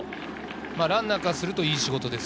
ランナーからするといい仕事です。